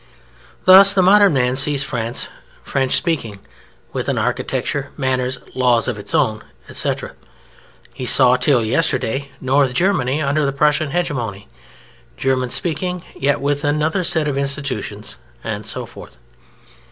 Thus the modern man sees France, French speaking, with an architecture, manners, laws of its own, etc.; he saw (till yesterday) North Germany under the Prussian hegemony, German speaking, with yet another set of institutions, and so forth.